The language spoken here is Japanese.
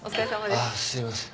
あっすいません。